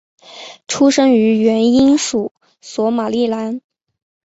出生于原英属索马利兰。